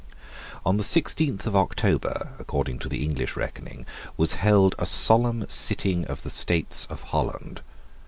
On the sixteenth of October, according to the English reckoning, was held a solemn sitting of the States of Holland.